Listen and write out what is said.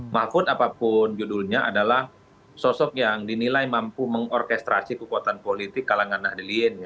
mahfud apapun judulnya adalah sosok yang dinilai mampu mengorkestrasi kekuatan politik kalangan nahdilien